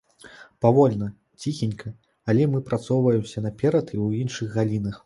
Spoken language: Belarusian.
Павольна, ціхенька, але мы прасоўваемся наперад і ў іншых галінах.